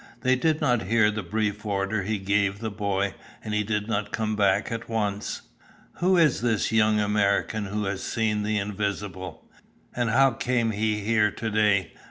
They did not hear the brief order he gave the boy, and he did not come back at once. "Who is this young American who has seen the invisible? And how came he here to day?"